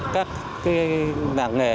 các năng nghề